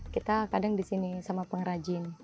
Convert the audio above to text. kita kadang disini sama pengrajin